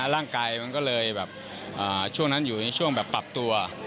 ร่างกายมันก็เลยแบบช่วงนั้นอยู่ในช่วงแบบปรับตัว